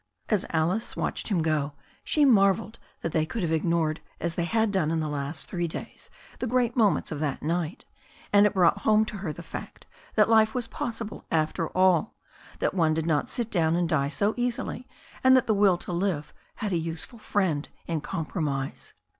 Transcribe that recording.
As Alice watched him go, she marvelled that they could have ignored as they bad done in the last three days the great moments of that night, and it brought home to her the fact that life was possible after all, that one did not sit down and die so easily, and that the will to live had a useful friend in compromise.